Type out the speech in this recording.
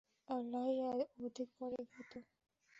আল্লাহই অধিক পরিজ্ঞাত।